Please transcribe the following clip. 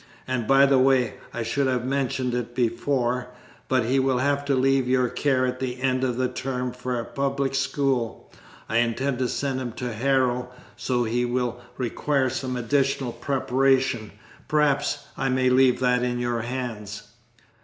And by the way I should have mentioned it before but he will have to leave your care at the end of the term for a public school I intend to send him to Harrow, so he will require some additional preparation, perhaps: I may leave that in your hands?"